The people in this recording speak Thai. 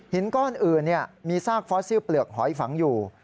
ก้อนอื่นมีซากฟอสซิลเปลือกหอยฝังอยู่